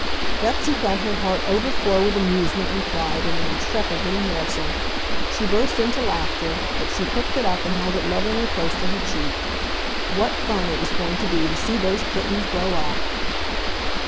Betsy felt her heart overflow with amusement and pride in the intrepid little morsel. She burst into laughter, but she picked it up and held it lovingly close to her cheek. What fun it was going to be to see those kittens grow up!